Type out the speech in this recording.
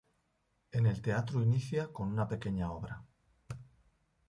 En el teatro inicia con una pequeña obra.